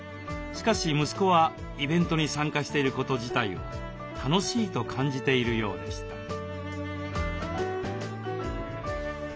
しかし息子はイベントに参加していること自体を楽しいと感じているようでした。